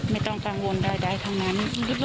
ไม่ต้องกังวลอะไรได้ทั้งนั้น